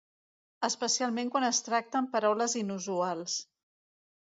Especialment quan es tracta amb paraules inusuals.